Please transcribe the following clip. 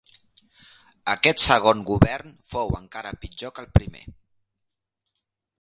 Aquest segon govern fou encara pitjor que el primer.